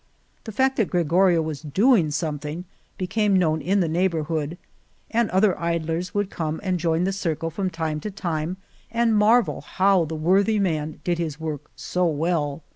The fact that Gregorio was doing something became known in the neighbor hood, and other idlers would come and join the circle from time to time and marvel how the worthy man did his work so well.